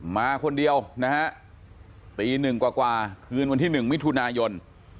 มาคนเดียวตี๑กว่าคืนวันที่๑มิถุนายน